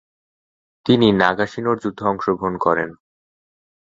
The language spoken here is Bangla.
তিনি নাগাশিনোর যুদ্ধে অংশগ্রহণ করেন।